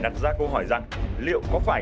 đặt ra câu hỏi rằng liệu có phải